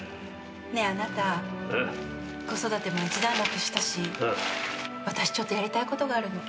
ねえあなた子育ても一段落したし私ちょっとやりたいことがあるの。